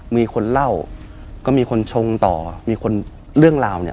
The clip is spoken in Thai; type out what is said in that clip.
มีคนเล่าก็มีคนชงต่อมีคนเรื่องราวเนี่ย